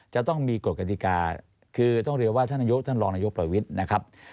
จะต้องมีกฎกติกาคือต้องเรียกว่าท่านนายกท่านรองนายกประวิทย์นะครับ